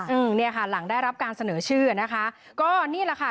อืมเนี่ยค่ะหลังได้รับการเสนอชื่อนะคะก็นี่แหละค่ะ